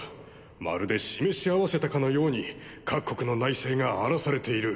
まるで示し合わせたかのように各国の内政が荒らされている。